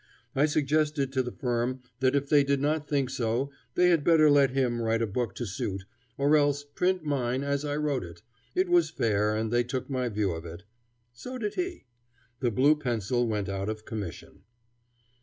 I suggested to the firm that if they did not think so, they had better let him write a book to suit, or else print mine as I wrote it. It was fair, and they took my view of it. So did he. The blue pencil went out of commission.